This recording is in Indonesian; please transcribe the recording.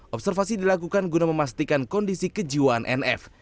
observasi dilakukan guna memastikan kondisi kejiwaan nf